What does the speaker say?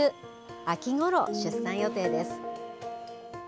秋ごろ、出産予定です。